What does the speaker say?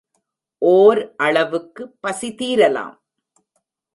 ஓர் அளவுக்கு பசி தீரலாம்.